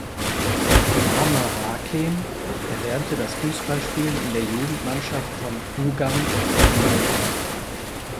Amer Hakeem erlernte das Fußballspielen in der Jugendmannschaft von Hougang United.